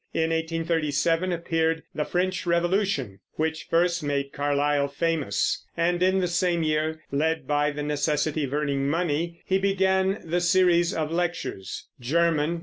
In 1837 appeared The French Revolution, which first made Carlyle famous; and in the same year, led by the necessity of earning money, he began the series of lectures _German.